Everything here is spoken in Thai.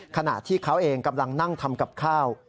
ขณะที่เขาเองกำลังนั่งทำกับข้าว